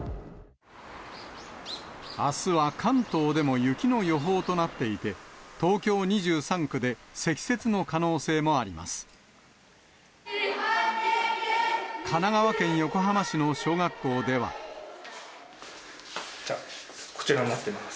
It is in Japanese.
あすは関東でも雪の予報となっていて、東京２３区で積雪の可能性もあります。